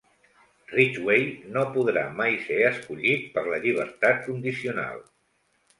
Ridgway no podrà mai ser escollit per la llibertat condicional.